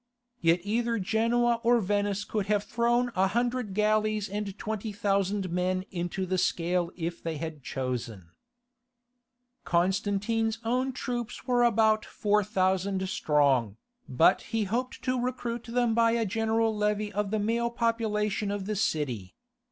Yet either Genoa or Venice could have thrown a hundred galleys and twenty thousand men into the scale if they had chosen. Details Of St. Sophia. Constantine's own troops were about four thousand strong, but he hoped to recruit them by a general levy of the male population of the city.